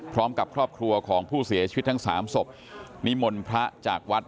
พร้อมกับครอบครัวของผู้เสียชีวิตทั้งสามศพนิมนต์พระจากวัด